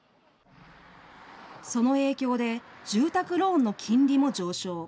その影響で、住宅ローンの金利も上昇。